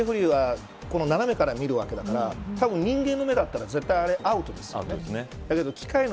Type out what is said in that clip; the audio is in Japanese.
レフェリーは斜めから見るわけだからたぶん人間の目だったら絶対あれアウトです。